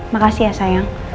makasih ya sayang